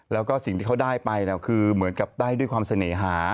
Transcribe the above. แล้วก็สิ่งที่เขาได้ไปคือเหมือนกับได้ด้วยความเสน่หา